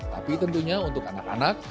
tapi tentunya untuk anak anak